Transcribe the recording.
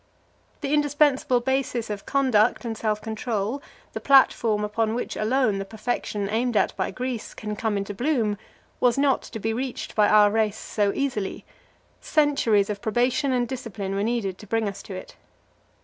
The indispensable basis of conduct and self control, the platform upon which alone the perfection aimed at by Greece can come into bloom, was not to be reached by our race so easily; centuries of probation and discipline were needed to bring us to it.